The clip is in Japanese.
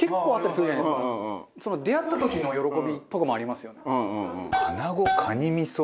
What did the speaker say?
その出会った時の喜びとかもありますよね。